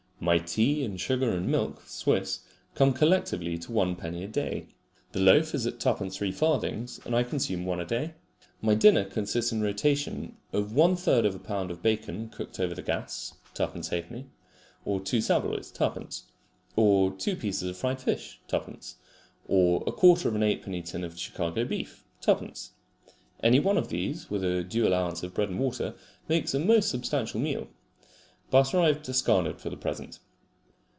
My tea and sugar and milk (Swiss) come collectively to one penny a day. The loaf is at twopence three farthings, and I consume one a day. My dinner consists in rotation of one third of a pound of bacon, cooked over the gas (twopence halfpenny), or two saveloys (twopence), or two pieces of fried fish (twopence), or a quarter of an eightpenny tin of Chicago beef (twopence). Any one of these, with a due allowance of bread and water, makes a most substantial meal. Butter I have discarded for the present.